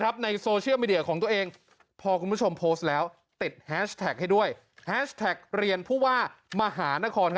แฮชแท็กเรียนพูวามหานคร